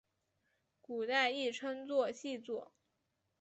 古代亦称作细作。